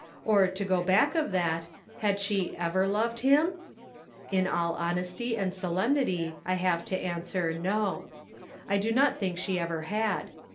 Or to go back of that, had she ever loved him ? In all honesty and solemnity I have to answer NO ; I do not think she. ever had.